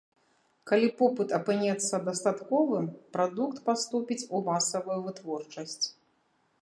Калі попыт апынецца дастатковым, прадукт паступіць у масавую вытворчасць.